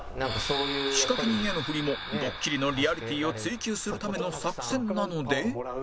仕掛け人への振りもドッキリのリアリティを追求するための作戦なので